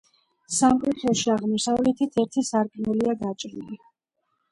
სამკვეთლოში აღმოსავლეთით ერთი სარკმელია გაჭრილი.